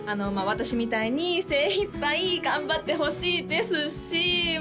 私みたいに精いっぱい頑張ってほしいですしま